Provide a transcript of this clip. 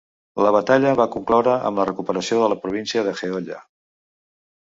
La batalla va concloure amb la recuperació de la província de Jeolla.